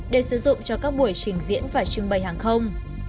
để sử dụng cho các buổi trình diễn và trưng bày hàng không